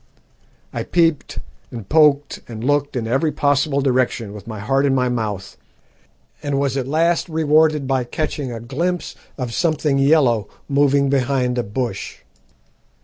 I peeped and poked and looked in every possible direction, with my heart in my mouth, and was at last rewarded by catching a glimpse of something yellow moving behind a bush.